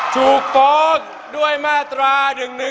ถูกตกด้วยมาตรา๑๑๒